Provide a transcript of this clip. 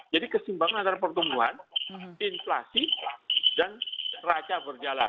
jadi kesimbangan antara pertumbuhan inflasi dan raca berjalan